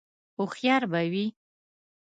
_هوښيار به وي؟